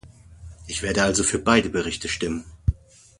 Ich werden also für beide Berichte stimmen.